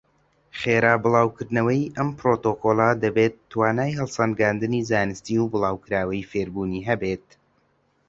خێرا بڵاوکردنەوەی ئەم پڕۆتۆکۆڵە دەبێت توانای هەڵسەنگاندنی زانستی و بڵاوکراوەی فێربوونی هەبێت.